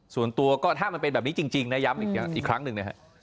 ส่วนตัวก็ถ้ามันเป็นแบบนี้จริงนะย้ำอีกครั้งหนึ่งนะฮะ